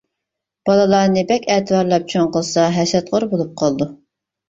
بالىلارنى بەك ئەتىۋارلاپ چوڭ قىلسا ھەسەتخور بولۇپ قالىدۇ.